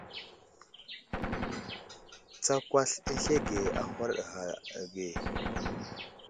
Tsakwasl azlege a huraɗ ghay age.